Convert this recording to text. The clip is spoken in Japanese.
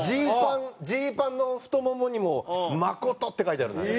ジーパンの太ももにも「誠」って書いてあるんです。